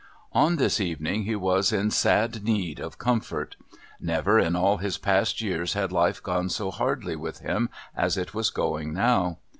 On this evening he was in sad need of comfort. Never in all his past years had life gone so hardly with him as it was going now.